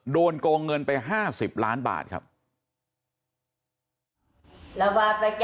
โดนโกงเงินไป๕๐ล้านบาทครับ